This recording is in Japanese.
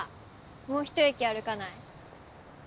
もう１駅歩かない？